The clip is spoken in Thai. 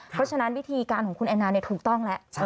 เพราะฉะนั้นวิธีการของคุณแอนนาถูกต้องแล้ว